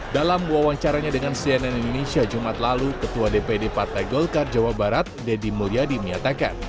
dalam wawancaranya dengan cnn indonesia jumat lalu ketua dpd partai golkar jawa barat deddy mulyadi menyatakan